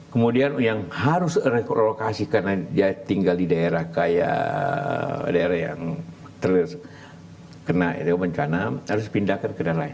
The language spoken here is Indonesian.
kemudian yang harus direlokasikan tinggal di daerah kaya daerah yang terus kena bencana harus pindahkan ke daerah lain